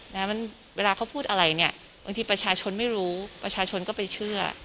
แล้วมันเวลาเขาพูดอะไรเนี่ยบางทีประชาชนไม่รู้ประชาชนก็ไปเชื่อ